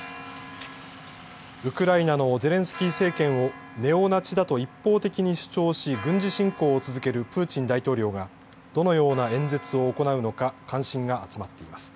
ウクライナのゼレンスキー政権をネオナチだと一方的に主張し軍事侵攻を続けるプーチン大統領がどのような演説を行うのか関心が集まっています。